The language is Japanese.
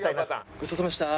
ごちそうさまでした。